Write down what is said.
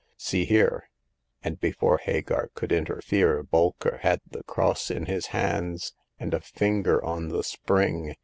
See here !" and before Hagar could interfere Bolker had the cross in his hands, and a finger on the spring.